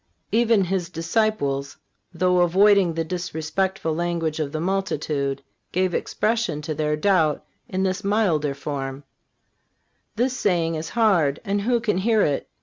Even His disciples, though avoiding the disrespectful language of the multitude, gave expression to their doubt in this milder form: "This saying is hard, and who can hear it?"